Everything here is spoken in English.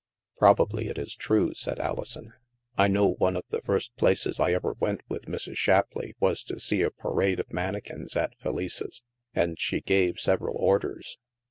" Probably it is true," said Alison. " I know one of the first places I ever went with Mrs. Shapleigh was to see a parade of mannequins at Felice's. And she gave several orders."